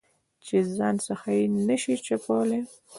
چې د ځان څخه یې نه شې چپولای.